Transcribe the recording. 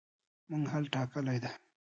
موږ حل ټاکلی دی.